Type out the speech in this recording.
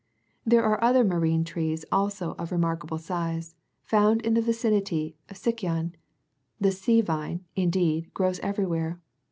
There are other marine trees also of remarkable size, found in the vicinity of Sicyon ; the sea vine,48 indeed, grows everywhere.